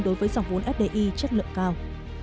đối với dòng vốn fdi chất lượng cao